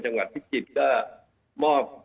จังหวัดพิจิตรก็มอบ